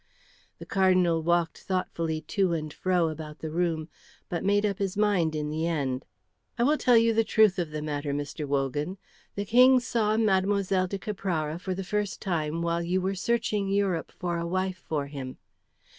The Cardinal walked thoughtfully to and fro about the room, but made up his mind in the end. "I will tell you the truth of the matter, Mr. Wogan. The King saw Mlle. de Caprara for the first time while you were searching Europe for a wife for him.